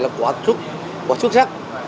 là quá xuất sắc